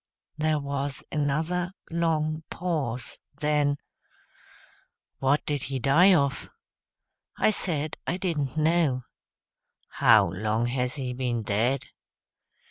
There was another long pause; then, "What did he die of?" I said I didn't know. "How long has he ben dead?"